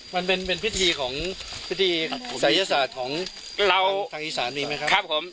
มันเป็นพิธีของพิธีศัยศาสตร์ของเราทางอีสานมีไหมครับครับผม